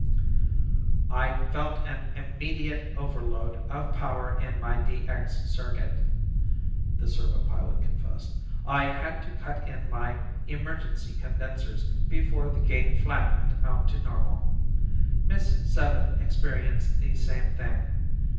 "I felt an immediate overload of power in my DX circuit," the servo pilot confessed. "I had to cut in my emergency condensers before the gain flattened out to normal. Miss Seven experienced the same thing.